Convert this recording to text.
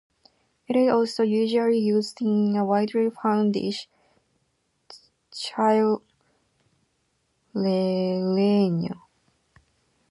It is also usually used in the widely found dish "chile relleno".